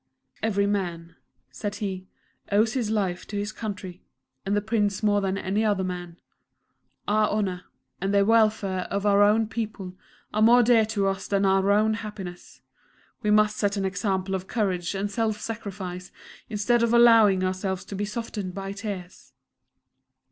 "Every man," said he, "owes his life to his Country; and the Prince more than any other man. Our honour, and the welfare of our people are more dear to us than our own happiness. We must set an example of courage and self sacrifice, instead of allowing ourselves to be softened by tears.